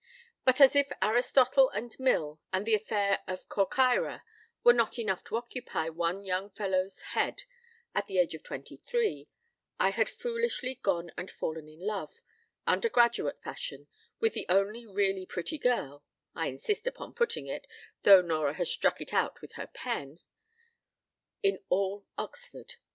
But as if Aristotle and Mill and the affair of Corcyra were not enough to occupy one young fellow's head at the age of twenty three, I had foolishly gone and fallen in love, undergraduate fashion, with the only really pretty girl (I insist upon putting it, though Nora has struck it out with her pen) in all Oxford.